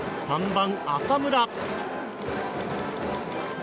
３番、浅村。